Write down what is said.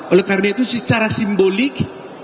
oleh karena itu secara simbolik